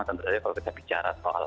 tentu saja kalau kita bicara soal